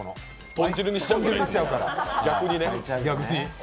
豚汁にしちゃうから。